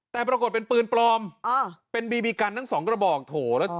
แต่ปรากฏเป็นปืนปลอมเป็นบีบีกันทั้งสองกระบอกโถแล้ว